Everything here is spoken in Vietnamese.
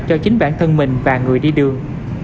cho chính bản thân mình và người đi đường